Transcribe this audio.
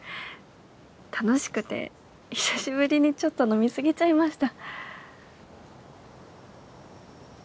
楽しくて久しぶりにちょっと飲み過ぎちゃいました。